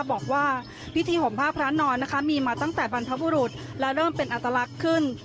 บอกว่าพิธีห่มผ้าพระนอนนะคะมีมาตั้งแต่บรรพบุรุษและเริ่มเป็นอัตลักษณ์ขึ้น